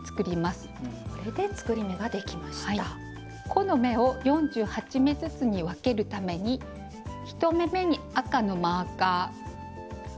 この目を４８目ずつに分けるために１目めに赤のマーカー。